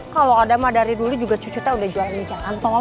kalau ada mah dari dulu juga cucunya udah jualan di jalan tol